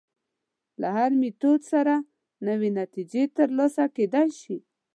له هر میتود سره نوې نتیجې تر لاسه کېدای شي.